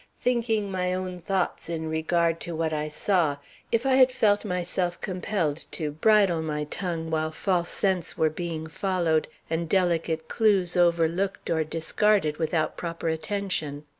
"Thinking my own thoughts in regard to what I saw, if I had found myself compelled to bridle my tongue while false scents were being followed and delicate clews overlooked or discarded without proper attention.